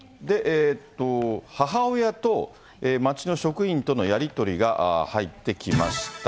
母親と町の職員とのやり取りが入ってきました。